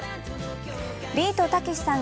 ビートたけしさん